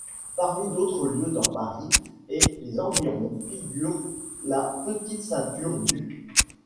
Parmi d'autres lieux dans Paris et les environs figure la Petite Ceinture du.